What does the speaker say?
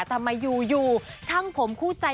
ทำไมอยู่ช่างผมคู่ใจ